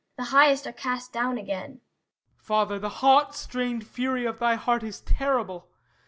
The highest are cast down again. HIPPOLYTUS Father, the hot strained fury of thy heart Is terrible.